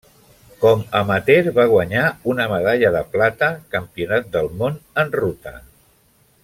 Com amateur va guanyar una medalla de plata Campionat del món en ruta.